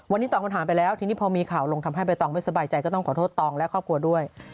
วันนี้ตอบคำถามไปแล้วทีนี้พอมีข่าวลงทำให้ใบตองไม่สบายใจก็ต้องขอโทษตองและครอบครัวด้วย